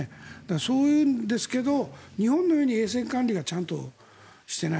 そういうんですけど日本のように衛生管理がちゃんとしていない。